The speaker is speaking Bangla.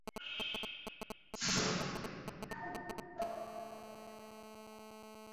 আমাদের তাকে খুঁজতে হবে।